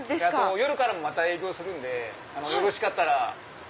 夜からもまた営業するんでよろしかったら。